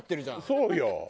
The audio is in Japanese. そうよ。